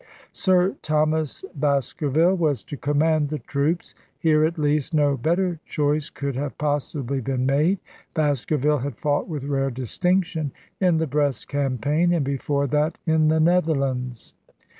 Sir Thomas Baskerville was to command the troops. Here, at least, no better choice could have possibly been made. Baskerville had fought with rare distinc tion in the Brest campaign and before that in the Netherlands.